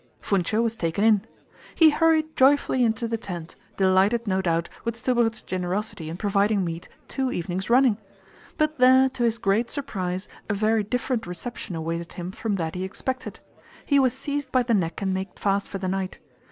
Funcho was taken in. He hurried joyfully into the tent, delighted, no doubt, with Stubberud's generosity in providing meat two evenings running. But there, to his great surprise, a very different reception awaited him from that he expected. He was seized by the neck and made fast for the night.